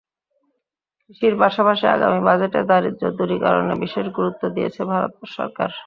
কৃষির পাশাপাশি আগামী বাজেটে দারিদ্র্য দূরীকরণে বিশেষ গুরুত্ব দিয়েছে ভারত সরকার।